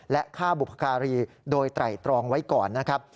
และฆ่าบุครณาถือฯโดยไต่ตรองไว้ก่อนนะครับ